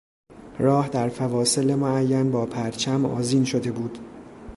راه در فواصل معین با پرچم آذین شده بود.